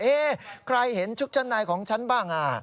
เอ๊ะใครเห็นชุกชะนายของฉันบ้าง